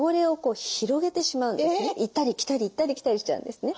行ったり来たり行ったり来たりしちゃうんですね。